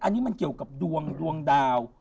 อันนี้มันเกี่ยวกับดวงดวงดาว